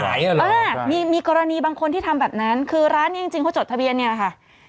อ่ามีกรณีบางคนที่ทำแบบนั้นคือร้านเนี่ยจริงเขาจดทะเบียนนี่นะค่ะ